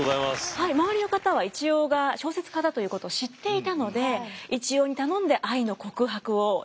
はい周りの方は一葉が小説家だということを知っていたので一葉に頼んで愛の告白をしていました。